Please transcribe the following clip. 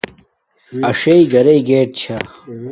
اݽݵ راکاݵ گیٹ چھا